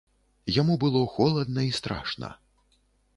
Яму было холадна і страшна.